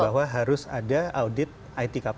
bahwa harus ada audit itkp